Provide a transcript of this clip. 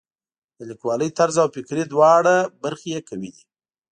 د لیکوالۍ طرز او فکري دواړه برخې یې قوي دي.